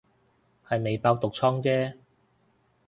係未爆毒瘡姐